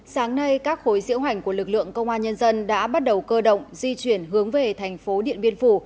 sáng nay các khối diễu hành của lực lượng công an nhân dân đã bắt đầu cơ động di chuyển hướng về thành phố điện biên phủ